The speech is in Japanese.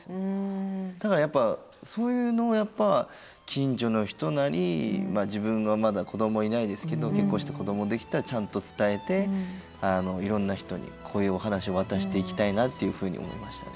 だからやっぱそういうのを近所の人なり自分はまだ子どもいないですけど結婚して子どもできたらちゃんと伝えていろんな人にこういうお話を渡していきたいなっていうふうに思いましたね。